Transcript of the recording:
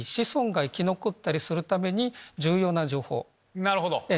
なるほど。